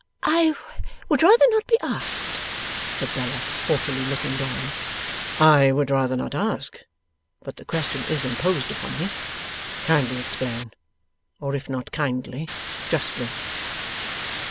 'I would rather not be asked,' said Bella, haughtily looking down. 'I would rather not ask, but the question is imposed upon me. Kindly explain; or if not kindly, justly.